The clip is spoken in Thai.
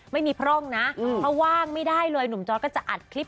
ไม่มีพร่งนะ